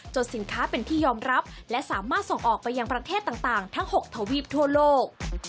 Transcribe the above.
สินค้าเป็นที่ยอมรับและสามารถส่งออกไปยังประเทศต่างทั้ง๖ทวีปทั่วโลก